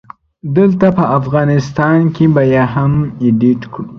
دلته په افغانستان کې به يې هم اډيټ کړو